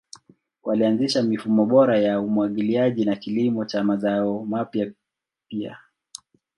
Walianzisha mifumo bora ya umwagiliaji na kilimo cha mazao mapya pia.